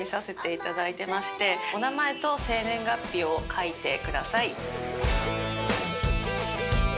お名前と生年月日を書いてください。